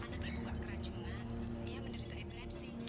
anak ibu gak keracunan dia menderita epilepsi